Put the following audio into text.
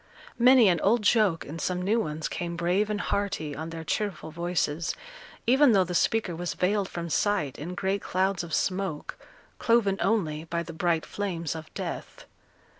Many an old joke, and some new ones, came brave and hearty, on their cheerful voices, even though the speaker was veiled from sight in great clouds of smoke, cloven only by the bright flames of death.